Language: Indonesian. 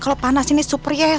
kalau panas ini keren ya